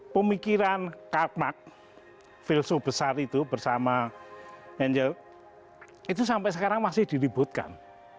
pemikiran karmak filsu besar itu bersama angel itu sampai sekarang masih diributkan